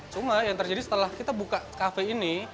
cuma yang terjadi setelah kita buka kafe ini